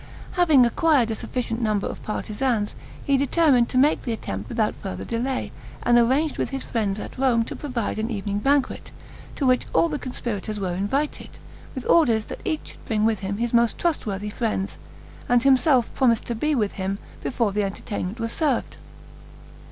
Having acquired a sufficient number of partisans, he determined to make the attempt without further delay, and arranged with his friends at Rome to provide an evening banquet, to which all the conspirators were invited, with orders that each should bring with him his most trust worthy friends, and himself promised to be with him before the entertainment was served.